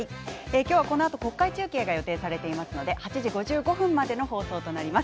今日はこのあと国会中継が予定されていますので８時５５分までの放送となります。